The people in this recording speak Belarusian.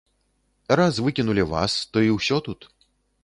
Раз выкінулі вас, то і ўсё тут.